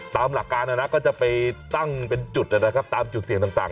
ตามหลักการก็จะไปตั้งเป็นจุดนะครับตามจุดเสี่ยงต่าง